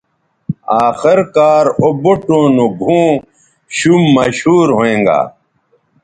آخر کار او بوٹوں نو گھؤں شُم مشہور ھوینگا